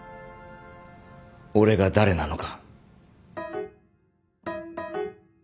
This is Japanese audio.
俺が誰なのか。